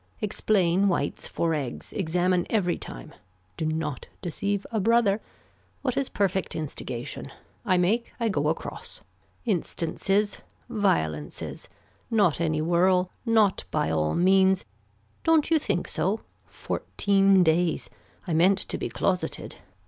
Explain whites for eggs. Examine every time. Do not deceive a brother. What is perfect instigation. I make I go across. Instances. Violences. Not any whirl. Not by all means. Don't you think so. Fourteen days. I meant to be closeted.